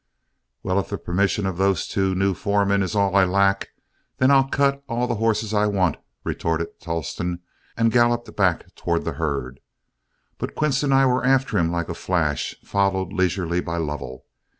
"Well, if the permission of those new foremen is all I lack, then I'll cut all the horses I want," retorted Tolleston, and galloped back towards the herd. But Quince and I were after him like a flash, followed leisurely by Lovell.